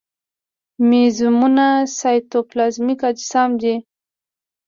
مېزوزومونه سایتوپلازمیک اجسام دي.